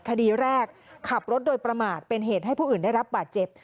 คดีแรกขับรถโดยประมาทเป็นเหตุให้ผู้อื่นได้รับบาดเจ็บ